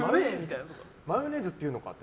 マヨネーズっていうのかって。